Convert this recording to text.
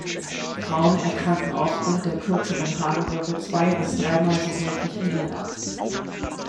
Frauen erkranken aufgrund der kürzeren Harnröhre zwei- bis dreimal so häufig wie Männer.